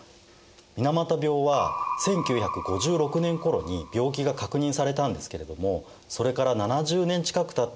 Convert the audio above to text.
水俣病は１９５６年ころに病気が確認されたんですけれどもそれから７０年近くたった